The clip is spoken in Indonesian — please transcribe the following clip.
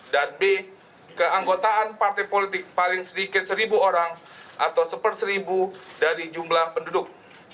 b keanggotaan partai politik paling sedikit seribu orang atau seper seribu dari jumlah penduduk